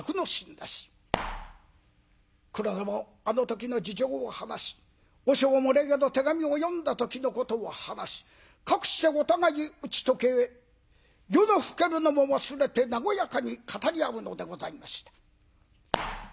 黒田もあの時の事情を話し和尚も例の手紙を読んだ時のことを話しかくしてお互い打ち解け夜の更けるのも忘れて和やかに語り合うのでございました。